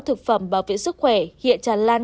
thực phẩm bảo vệ sức khỏe hiện tràn lan